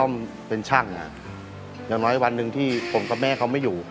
เป็นช่างอ่ะอย่างน้อยวันหนึ่งที่ผมกับแม่เขาไม่อยู่